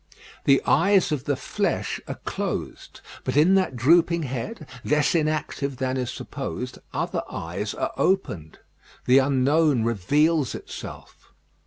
The eyes of the flesh are closed; but in that drooping head, less inactive than is supposed, other eyes are opened. The unknown reveals itself.